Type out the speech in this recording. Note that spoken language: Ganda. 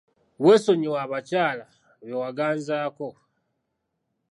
Weesonyiwe abakyala be waganzaako.